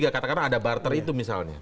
katakanlah ada barter itu misalnya